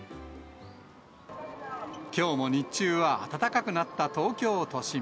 きょうも日中は暖かくなった東京都心。